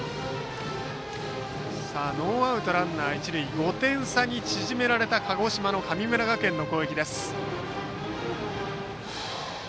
ノーアウトランナー、一塁５点差に縮められた鹿児島の神村学園の攻撃です。